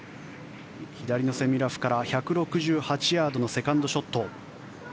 左のセミラフから１６８ヤードのセカンドショット。